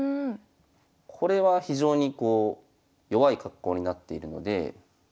これは非常にこう弱い格好になっているので。